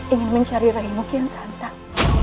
ingin mencari raimu kian santang